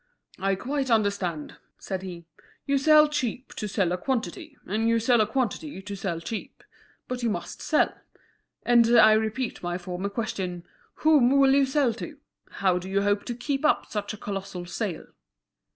"I quite understand," said he; "you sell cheap to sell a quantity, and you sell a quantity to sell cheap. But you must sell, and I repeat my former question: Whom will you sell to? How do you hope to keep up such a colossal sale?"